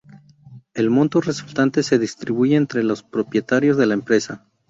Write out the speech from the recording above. El monto resultante se distribuye entre los propietarios de la empresa.